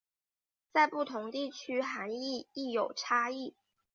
在不同地区涵义亦有差异。